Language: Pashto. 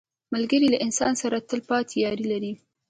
ملګری له انسان سره تل پاتې یاري لري